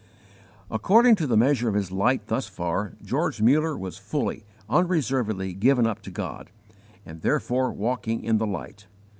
According to the measure of his light thus far, George Muller was fully, unreservedly given up to God, and therefore walking in the light.